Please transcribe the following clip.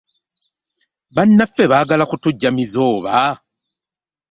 Bannaffe baagala kutuggya mize oba!